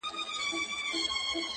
o زما له زړه یې جوړه کړې خېلخانه ده،